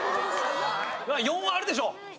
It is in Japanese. ４はあるでしょう。